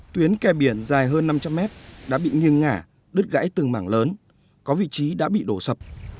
tuyến kè biển dài hơn năm trăm linh mét đã bị nghiêng ngả đứt gãy từng mảng lớn có vị trí đã bị đổ sập